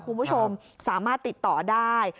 คุณผู้ชมสามารถติดต่อได้